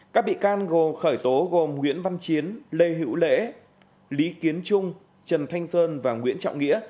các bị can gồm khởi tố gồm nguyễn văn chiến lê hữu lễ lý kiến trung trần thanh sơn và nguyễn trọng nghĩa